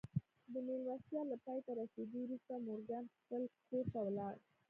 د مېلمستيا له پای ته رسېدو وروسته مورګان خپل کور ته ولاړ.